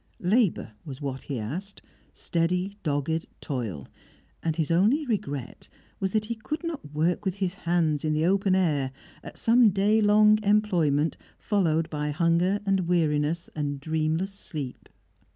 Labour was what he asked, steady, dogged toil; and his only regret was that he could not work with his hands in the open air, at some day long employment followed by hunger and weariness and dreamless sleep.